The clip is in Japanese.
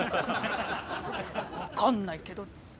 分かんないけど。